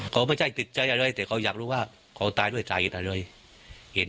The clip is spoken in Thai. เขาไม่ใช่ติดใจอะไรแต่เขาอยากรู้ว่าเขาตายด้วยใจอะไร